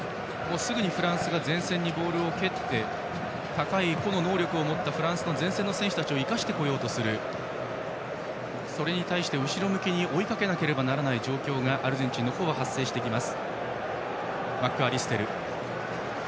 すぐにフランスが前線にボールを蹴って高い個の能力を持ったフランスの選手たちを生かそうとするそれに対して、後ろ向きに追いかけなければいけない状況がアルゼンチンには発生してきます。